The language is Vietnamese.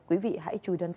quý vị hãy chui đón xem